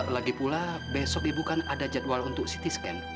lagi pula besok ibu kan ada jadwal untuk ct scan